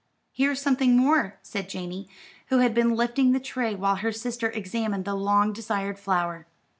"Here is something more," said Janey, who had been lifting the tray while her sister examined the long desired flower.